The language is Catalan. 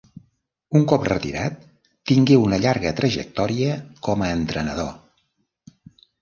Un cop retirat tingué una llarga trajectòria com a entrenador.